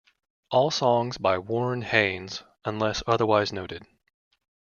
All songs by Warren Haynes unless otherwise noted.